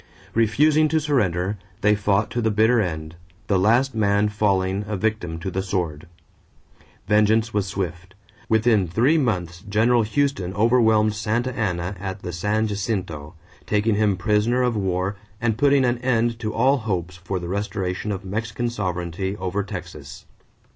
Refusing to surrender, they fought to the bitter end, the last man falling a victim to the sword. Vengeance was swift. Within three months General Houston overwhelmed Santa Ana at the San Jacinto, taking him prisoner of war and putting an end to all hopes for the restoration of Mexican sovereignty over Texas.